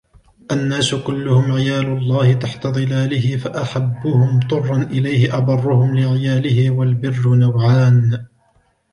النَّاسُ كُلُّهُمْ عِيَالُ اللَّهِ تَحْتَ ظِلَالِهِ فَأَحَبُّهُمْ طُرًّا إلَيْهِ أَبَرُّهُمْ لِعِيَالِهِ وَالْبِرُّ نَوْعَانِ